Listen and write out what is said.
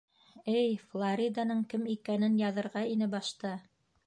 Эй, Флориданың кем икәнен яҙырға ине башта!